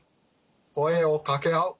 声を掛け合う。